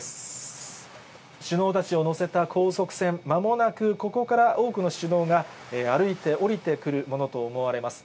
首脳たちを乗せた高速船、まもなくここから多くの首脳が歩いて降りてくるものと思われます。